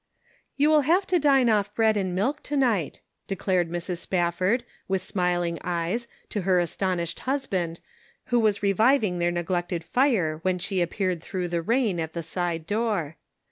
" You will have to dine off bread and milk to night," declared Mrs. Spafford, with smiling eyes, to her astonished husband, who was re viving their neglected fire, when she appeared through the rain, at the side door.